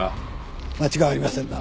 間違いありませんな。